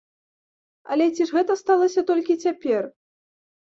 Але ці ж гэта сталася толькі цяпер?